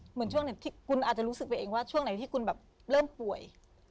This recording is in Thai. เหมือนช่วงหนึ่งที่คุณอาจจะรู้สึกไปเองว่าช่วงไหนที่คุณแบบเริ่มป่วย